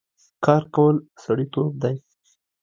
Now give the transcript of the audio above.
کار کول سړيتوب دی